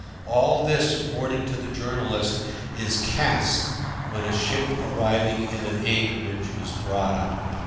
All this, according to the journalist, is "cast" when a ship arriving at an anchorage is brought up.